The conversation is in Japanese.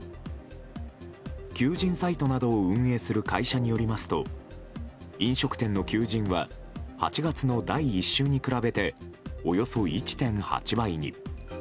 求人サイトなどを運営する会社によりますと飲食店の求人は８月の第１週に比べておよそ１．８倍に。